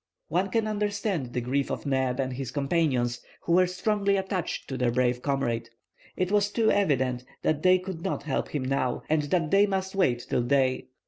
One can understand the grief of Neb and his companions, who were strongly attached to their brave comrade. It was too evident that they could not help him now, and that they must wait till day.